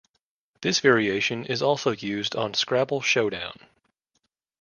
This variation is also used on "Scrabble Showdown".